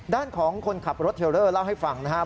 ด้านของคนขับรถเทลเลอร์เล่าให้ฟังนะครับ